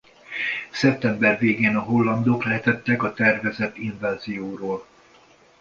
Szeptember végén a hollandok letettek a tervezett invázióról.